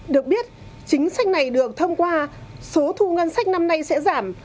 được biết chính sách này được thông qua số thu ngân sách năm nay sẽ giảm